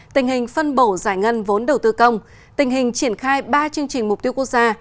tình hình phân bổ giải ngân vốn đầu tư công tình hình triển khai ba chương trình mục tiêu quốc gia